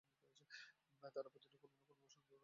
তারা প্রতিদিন কোনো না কোনো সুন্দর সুন্দর গ্যাজেট তৈরি করে।